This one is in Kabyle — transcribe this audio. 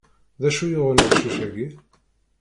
D acu yuɣen aqcic-agi?